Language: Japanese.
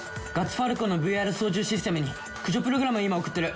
ファルコンのＶＲ操縦システムに駆除プログラムを今送ってる！